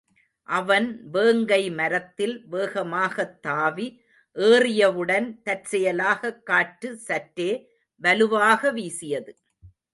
அவன் வேங்கை மரத்தில் வேகமாகத் தாவி ஏறியவுடன் தற்செயலாகக் காற்று சற்றே வலுவாக வீசியது.